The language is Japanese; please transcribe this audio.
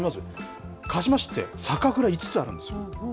鹿島市って、５つあるんですよ。